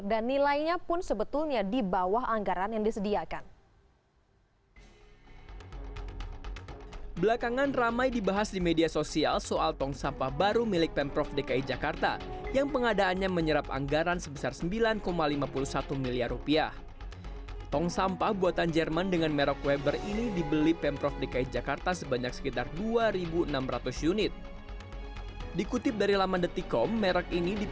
dan nilainya pun sebetulnya di bawah anggaran yang disediakan